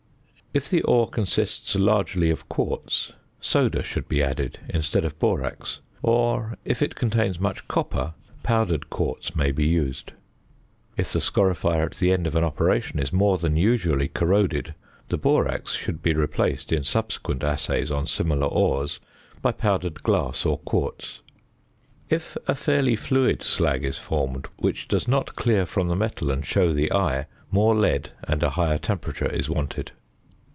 If the ore consists largely of quartz, soda should be added instead of borax; or, if it contains much copper, powdered quartz may be used. If the scorifier at the end of an operation is more than usually corroded, the borax should be replaced in subsequent assays on similar ores by powdered glass or quartz. If a fairly fluid slag is formed which does not clear from the metal and show the eye, more lead and a higher temperature is wanted.